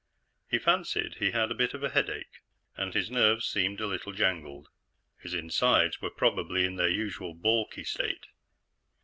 He fancied he had a bit of a headache, and his nerves seemed a little jangled. His insides were probably in their usual balky state.